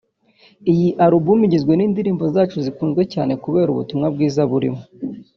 Iyi Album igizwe n’indirimbo zacu zikunzwe cyane kubera ubutumwa bwiza burimo